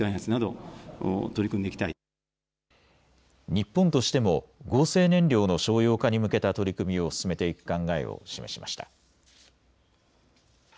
日本としても合成燃料の商用化に向けた取り組みを進めていく考えを示しました。